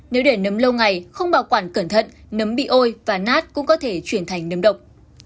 nếu để nấm lâu ngày không bảo quản cẩn thận nấm bị ôi và nát cũng có thể chuyển thành nấm độc